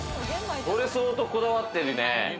それ相当こだわってるね。